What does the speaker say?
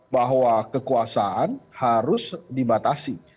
bahwa kekuasaan harus dibatasi